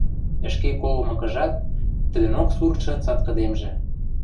ӹшке колымыкыжат, тӹдӹнок суртшы цаткыдемжӹ